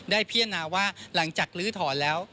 พิจารณาว่าหลังจากลื้อถอนแล้ว